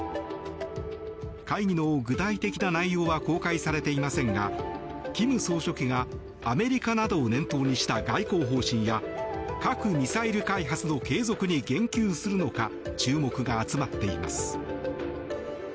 会議の具体的な内容は公開されていませんが金総書記がアメリカなどを念頭にした外交方針や核・ミサイル開発の継続に言及するのか注目が集まっています。